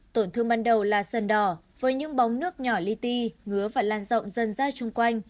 tổn thương ban đầu là sân đỏ với những bóng nước nhỏ ly ti ngứa và lan rộng dân da trung quanh